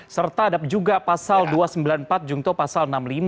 serta ada juga pasal dua ratus sembilan puluh empat jungto pasal enam puluh lima